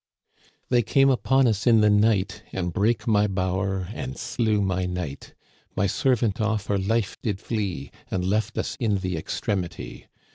They came upon us in the night, And brake my bower and slew my knight : My servant a^ for life did flee And left us in the extremitie.